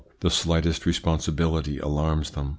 The slightest reponsibility alarms them.